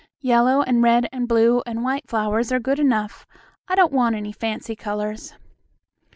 Yellow, and red, and blue, and white flowers are good enough. I don't want any fancy colors."